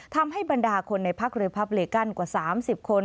ทำให้บรรดาคนในพักหรือพับเลกันกว่า๓๐คน